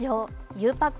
ゆうパック